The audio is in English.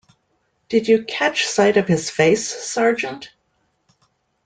Did you catch sight of his face, Sergeant?